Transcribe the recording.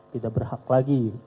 tidak berhak lagi